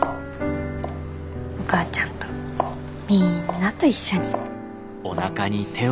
お母ちゃんとみんなと一緒に。